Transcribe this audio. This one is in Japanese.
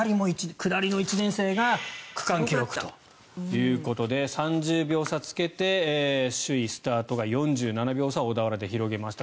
下りの１年が区間記録ということで３０秒差をつけて首位スタートが４７秒差を小田原で広げました。